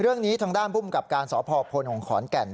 เรื่องนี้ทางด้านภูมิกับการสพพลของขอนแก่น